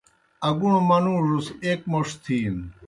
اگُݨوْ منُوڙوْس ایْک موْݜ تِھینوْ۔